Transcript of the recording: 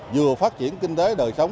vừa phát triển kinh tế đời sống